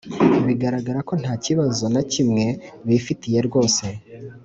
bigaragara ko ntakibazo nakimwe bifitiye rwose,